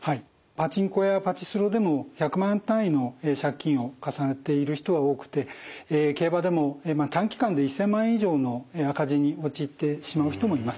パチンコやパチスロでも１００万単位の借金を重ねている人は多くて競馬でも短期間で１，０００万円以上の赤字に陥ってしまう人もいます。